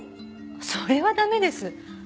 それは駄目です。